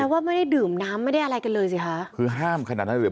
ว่าไม่ได้ดื่มน้ำไม่ได้อะไรกันเลยสิคะคือห้ามขนาดนั้นเลย